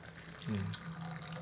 うん。